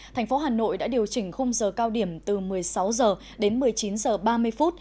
thành phố hà nội đã điều chỉnh khung giờ cao điểm từ một mươi sáu h đến một mươi chín h ba mươi phút